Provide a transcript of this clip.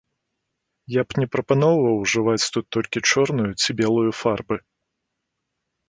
Я б не прапанаваў ужываць тут толькі чорную ці белую фарбы.